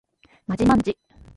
まじまんじ